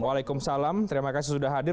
waalaikumsalam terima kasih sudah hadir